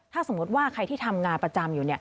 ถ้าสมมุติว่าใครที่ทำงานประจำอยู่